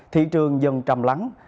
thị trường dần trầm lắng